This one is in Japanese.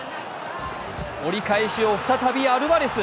折り返しを再びアルバレス！